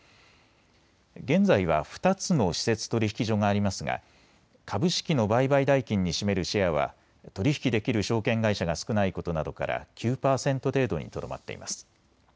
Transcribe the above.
現在は２つの私設取引所がありますが株式の売買代金に占めるシェアは取り引きできる証券会社が少ないことなどから９％程度にとどまっています。